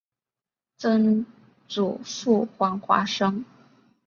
曾祖父黄华生。